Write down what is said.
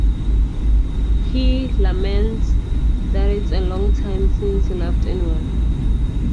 He laments that it's a long time since he loved anyone.